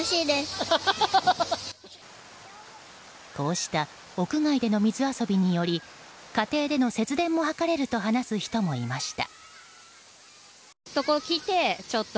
こうした屋外での水遊びにより家庭での節電も図れると話す人もいました。